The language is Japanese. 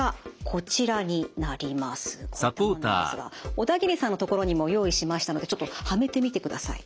こういったものなんですが小田切さんのところにも用意しましたのでちょっとはめてみてください。